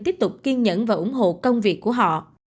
tiếp tục kiên nhẫn và ủng hộ công việc của họ